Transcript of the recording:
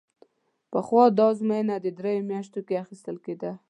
پخوا دا ازموینه درېیو میاشتو کې اخیستل کېده.